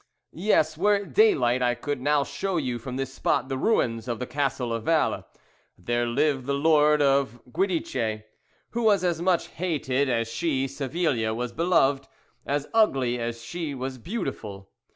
"Yes; were it daylight I could now show you from this spot the ruins of the Castle of Valle. There lived the lord of Guidice, who was as much hated as she (Savilia) was beloved, as ugly as she was beautiful.